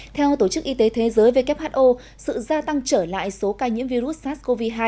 theo tổ chức y tế thế giới who sự gia tăng trở lại số ca nhiễm virus sars cov hai